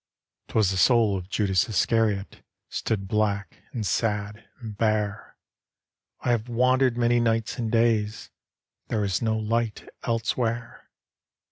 Twas the soul of Judas Iscariot Stood black, and sad, and bare —" I have wandered many ni^ts and days.; There is no light elsewhere."